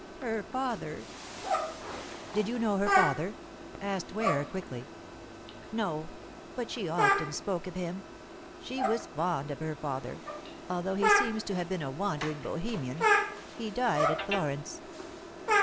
Her father " "Did you know her father?" asked Ware quickly. "No; but she often spoke of him. She was fond of her father, although he seems to have been a wandering Bohemian. He died at Florence."